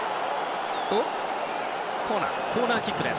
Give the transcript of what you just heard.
コーナーキックです。